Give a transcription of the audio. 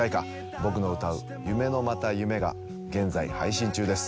僕の歌う「夢のまた夢」が現在配信中です